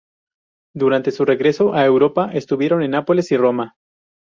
Durante su regreso a Europa, estuvieron en Nápoles y Roma.